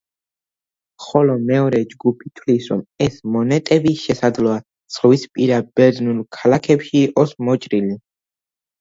ხოლო მეორე ჯგუფი თვლის, რომ ეს მონეტები შესაძლოა ზღვისპირა ბერძნულ ქალაქებში იყოს მოჭრილი.